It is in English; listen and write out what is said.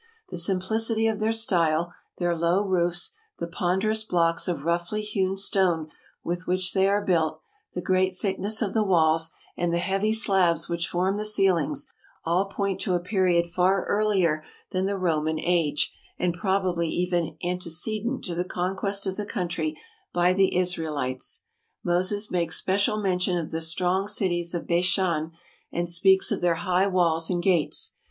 The sim plicity of their style, their low roofs, the ponderous blocks of roughly hewn stone with which they are built, the great thickness of the walls, and the heavy slabs which form the ceilings — all point to a period far earlier than the Roman age, and probably even antecedent to the conquest of the country by the Israelites. Moses makes special mention of the strong cities of Bashan, and speaks of their high walls and gates.